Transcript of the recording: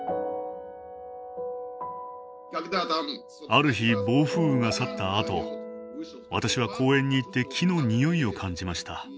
ある日暴風雨が去ったあと私は公園に行って木の匂いを感じました。